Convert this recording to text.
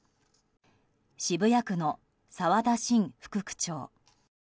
渋谷区の澤田伸副区長。